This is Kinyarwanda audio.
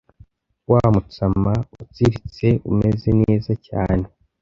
wa mutsama utsiritse umeze neza cyane